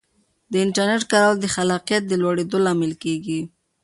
د انټرنیټ کارول د خلاقیت د لوړېدو لامل کیږي.